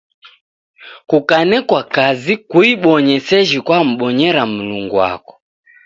Kukanekwa kazi kuibonye seji kwabonyera Mlungu wako.